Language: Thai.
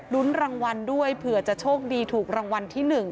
รางวัลด้วยเผื่อจะโชคดีถูกรางวัลที่๑